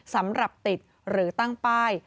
สำหรับติดหรือตั้งป้าย